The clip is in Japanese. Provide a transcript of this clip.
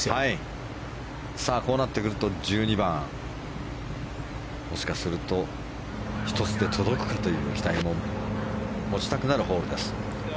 こうなってくると１２番もしかすると１つで届くかという期待も持ちたくなるホールです。